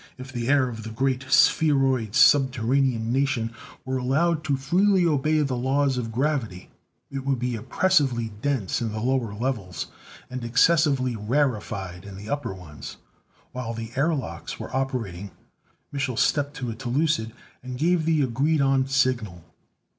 If the air of the great, spheroid subterranean nation were allowed to freely obey the laws of gravity, it would be oppressively dense in the lower levels, and excessively rarified in the upper ones. While the airlocks were operating Mich'l stepped to a telucid and gave the agreed on signal.